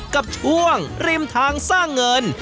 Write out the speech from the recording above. กับช่วงริมทางสร้างเงิน